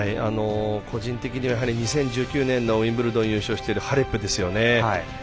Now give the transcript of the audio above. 個人的には２０１９年のウィンブルドン優勝しているハレプですよね。